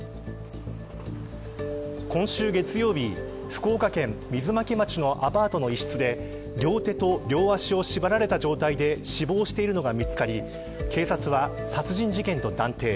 今週月曜日、福岡県水巻町のアパートの一室で両手と両足を縛られた状態で死亡しているのが見つかり警察は殺人事件と断定。